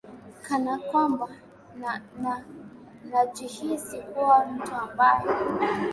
kana kwamba na na najihisi kuwa mtu ambaye